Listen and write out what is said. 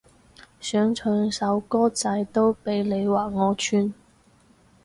想唱首歌仔都俾你話我串